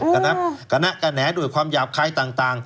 กะแนะกระแหน้ด้วยความหยาบคล้ายต่าง